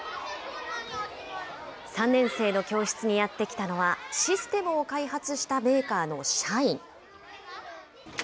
３年生の教室にやって来たのは、システムを開発したメーカーの社員。